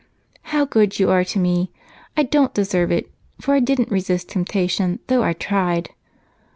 "How good you are to me! I don't deserve it, for I didn't resist temptation, though I tried.